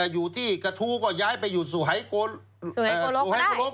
อยู่ที่กระทู้ก็ย้ายไปอยู่สู่หายโกลก